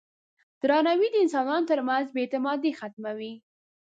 درناوی د انسانانو ترمنځ بې اعتمادي ختموي.